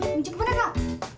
hingga ke mana kau